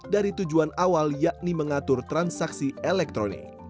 dari tujuan awal yakni mengatur transaksi elektronik